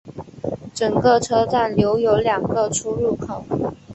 整个车站留有两个出入口。